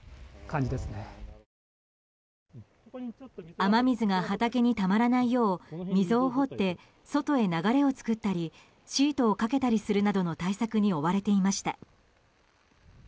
雨水が畑にたまらないよう溝を掘って、外へ流れを作ったりシートをかけたりするなどの対策に追われていました。